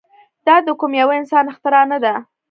دا د کوم يوه انسان اختراع نه ده.